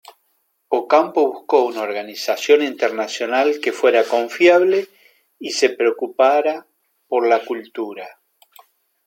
Ocampo buscó una organización internacional que fuera confiable y se preocupara por la cultura.